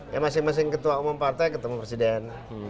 ya masing masing ketua umum partai ketemu presiden